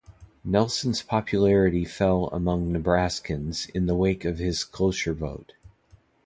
Nelson's popularity fell among Nebraskans in the wake of his cloture vote.